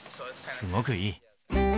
すごくいい。